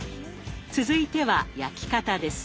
続いては焼き方です。